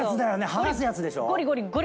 剥がすやつでしょ？